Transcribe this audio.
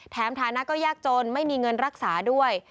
ฐานะก็ยากจนไม่มีเงินรักษาด้วย